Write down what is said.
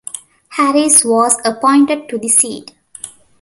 Harris was appointed to the seat.